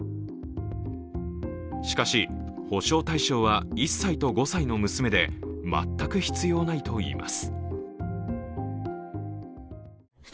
しかし、保障対象は１歳と５歳の娘で全く必要ないといいます。